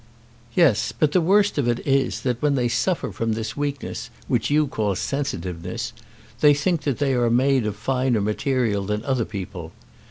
"Yes; but the worst of it is, that when they suffer from this weakness, which you call sensitiveness, they think that they are made of finer material than other people.